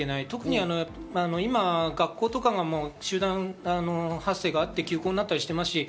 特に今、学校とかが集団発生があって休校になったりしています。